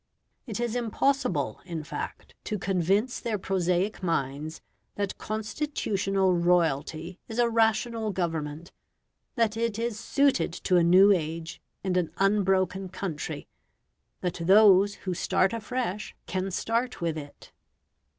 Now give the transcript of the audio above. It is impossible, in fact, to convince their prosaic minds that constitutional royalty is a rational government, that it is suited to a new age and an unbroken country, that those who start afresh can start with it.